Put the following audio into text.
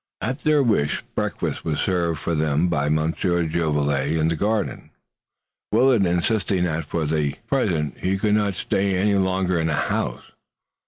At their wish breakfast was served for them by Monsieur Jolivet in the garden, Willet insisting that for the present he could not stay any longer in a house.